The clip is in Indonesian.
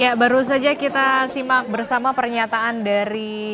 ya baru saja kita simak bersama pernyataan dari